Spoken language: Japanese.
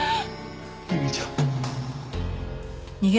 由美ちゃん。